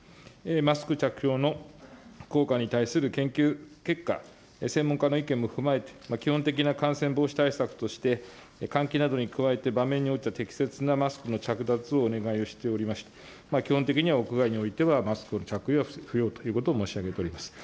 マスク着用の効果に対する研究結果、専門家の意見も踏まえて、基本的な感染防止対策として、換気などに加えて場面においた適切なマスクの着脱をお願いをしておりまして、基本的には屋外においては、マスク着用は不要ということを申し上げております。